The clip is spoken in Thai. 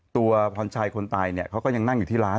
ตัวพรชัยคนตายเขาก็ยังนั่งอยู่ที่ร้าน